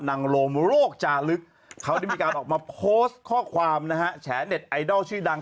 รมโรคจาลึกเขาได้มีการออกมาโพสต์ข้อความนะฮะแฉเน็ตไอดอลชื่อดัง